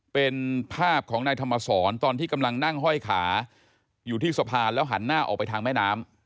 เป็นภาพของนายธรรมศรตอนที่กำลังนั่งห้อยขาอยู่ที่สะพานแล้วหันหน้าออกไปทางแม่น้ำ